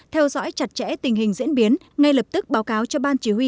theo dõi chặt chẽ tình hình diễn biến ngay lập tức báo cáo cho ban chỉ huy